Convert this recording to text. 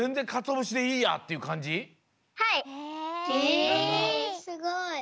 えすごい。